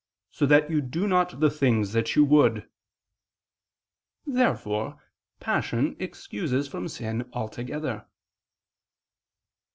. so that you do not the things that you would." Therefore passion excuses from sin altogether.